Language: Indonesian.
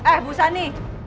eh bu sani